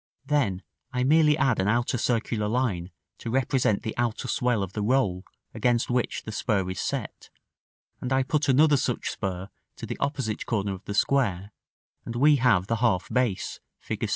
Then I merely add an outer circular line to represent the outer swell of the roll against which the spur is set, and I put another such spur to the opposite corner of the square, and we have the half base, Fig.